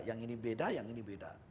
yang ini beda yang ini beda